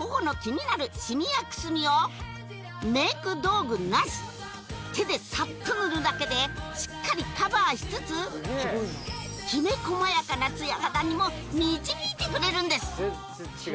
気になるシミやくすみをメイク道具なし手でサッと塗るだけでしっかりカバーしつつきめ細やかなツヤ肌にも導いてくれるんです